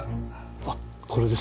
あっこれです。